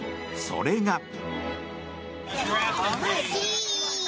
それが。